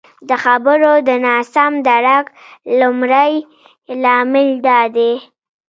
د خبرو د ناسم درک لمړی لامل دادی